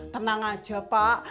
tenang aja pak